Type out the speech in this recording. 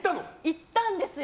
行ったんですよ。